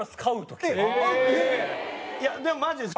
いやでもマジです。